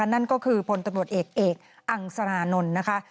นั่นก็คือพบเอกอังสนานนท์นะคะ